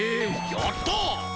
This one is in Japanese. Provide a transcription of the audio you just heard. やった！